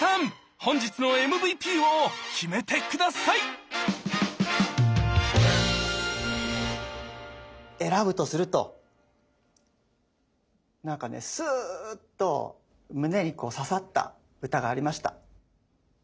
本日のＭＶＰを決めて下さい選ぶとするとなんかねスーッと胸にこう刺さった歌がありました。